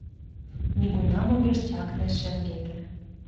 Нигунам огеш чакне шеҥгеке.